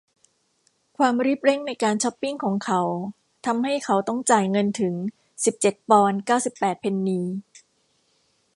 ความรีบเร่งในการช็อปปิ้งของเขาทำให้เขาต้องจ่ายเงินถึงสิบเจ็ดปอนด์เก้าสิบแปดเพนนี